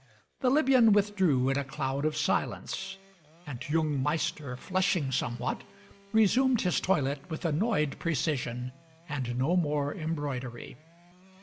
The Libyan with drew in a cloud of silence, and t' yoong Maister, flushing somewhat, resumed his toilet with annoyed precision and no more embroidery.